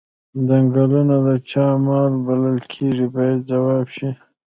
څنګلونه د چا مال بلل کیږي باید ځواب شي.